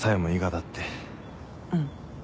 うん。